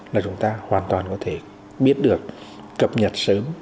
là chúng ta hoàn toàn có thể biết được cập nhật sớm